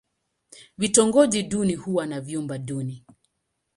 Vitongoji duni huwa na vyumba duni.